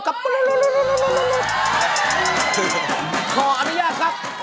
ขออนุญาตครับ